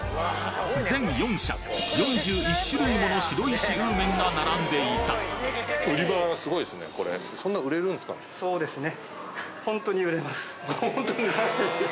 全４社４１種類もの白石温麺が並んでいたそうですね。